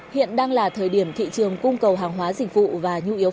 hiện đang là thời điểm thị trường cung cầu hàng hóa dịch vụ